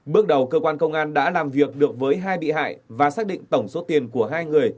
bước đầu cơ quan công an đã làm việc được với hai bị hại và xác định tổng số tiền của hai người